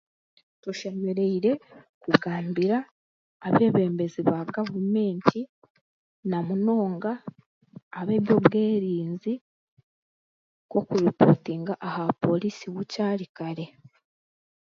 Tushemereire kugambira abeebembezi baagavumenti n'amunonga abeby'obwerinzi nk'okuripootinga aha poriisi bukyari kare